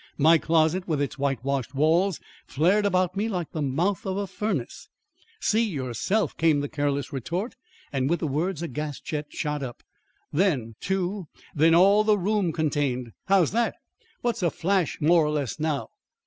My closet, with its whitewashed walls flared about me like the mouth of a furnace. "See, yourself!" came the careless retort, and with the words a gas jet shot up, then two, then all that the room contained. "How's that? What's a flash more or less now!"